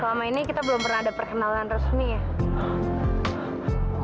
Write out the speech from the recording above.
selama ini kita belum ada perkenalan resmi oh iya tuh